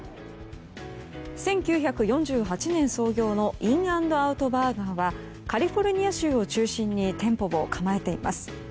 １９４８年創業のインアンドアウトバーガーはカリフォルニア州を中心に店舗を構えています。